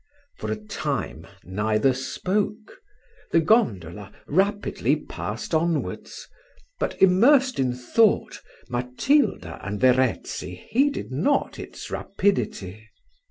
For a time neither spoke: the gondola rapidly passed onwards, but, immersed in thought, Matilda and Verezzi heeded not its rapidity.